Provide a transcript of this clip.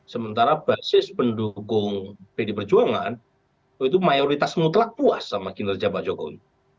sementara basis pendukung pd perjuangan itu mayoritas mutlak puas sama kinerja pak jokowi